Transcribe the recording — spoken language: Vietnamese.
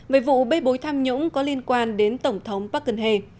về vụ bê bối tham nhũng có liên quan đến tổng thống park geun hye